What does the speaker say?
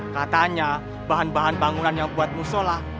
katanya bahan bahan bangunan yang buatmu sholah